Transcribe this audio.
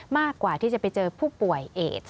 มากกว่าที่จะไปเจอผู้ป่วยเอส